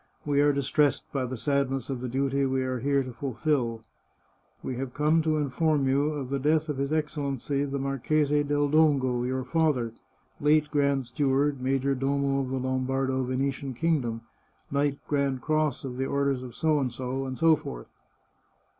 " We are distressed by the sadness of the duty we are here to fulfil. We have come to inform you of the death of His Excellency, the Marchese del Dongo, your father, late Grand Steward, Major Domo of the Lombardo Venetian Kingdom, Knight Grand Cross of the Orders of , and so forth."